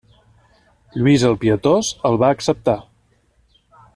Lluís el Pietós el va acceptar.